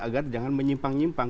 agar jangan menyimpang nyimpang